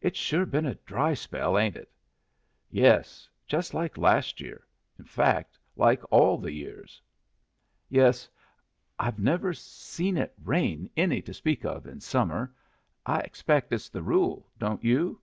It's sure been a dry spell, ain't it?" "Yes. Just like last year. In fact, like all the years." "Yes. I've never saw it rain any to speak of in summer. I expect it's the rule. Don't you?"